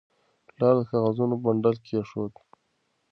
پلار د کاغذونو بنډل کېښود.